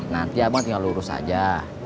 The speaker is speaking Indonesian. nanti aku tinggal urus aja